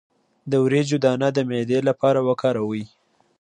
د وریجو دانه د معدې لپاره وکاروئ